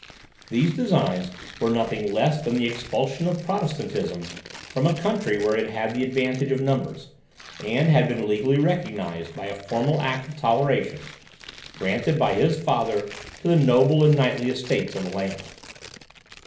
These designs were nothing less than the expulsion of Protestantism from a country where it had the advantage of numbers, and had been legally recognized by a formal act of toleration, granted by his father to the noble and knightly estates of the land.